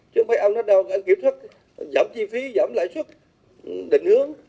chứ không phải ông nói đâu anh kiểu thức giảm chi phí giảm lãi xuất định hướng